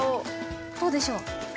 どうでしょう？